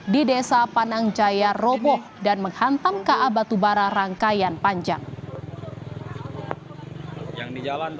di desa panang jaya roboh dan menghantam ka batubara rangkaian panjang